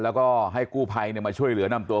แล้วก็ให้กู้ภัยมาช่วยเหลือนำตัว